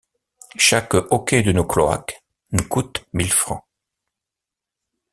Chaque hoquet de nos cloaques nous coûte mille francs.